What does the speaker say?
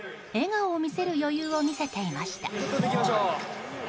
笑顔を見せる余裕を見せていました。